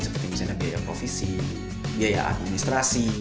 seperti misalnya biaya provisi biaya administrasi